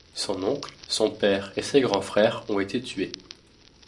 Son oncle, son père et ses grands frères ont été tués.